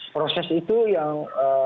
proses itu yang